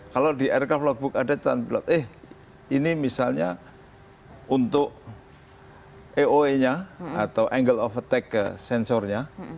kalau di aircraf logbook ada catatan eh ini misalnya untuk aoe nya atau angle of attack ke sensornya